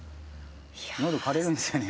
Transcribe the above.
喉かれるんですよね